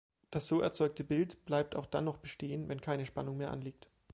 Das so erzeugte Bild bleibt auch dann noch bestehen, wenn keine Spannung mehr anliegt.